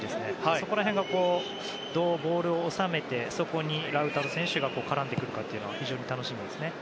そこら辺が、どうボールを収めてそこにラウタロ選手が絡んでくるかが楽しみです。